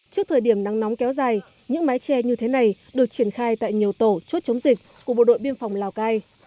trước thời điểm nắng nóng kéo dài những mái tre như thế này được triển khai tại nhiều tổ chốt chống dịch của bộ đội biên phòng lào cai